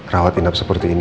rawat inap seperti ini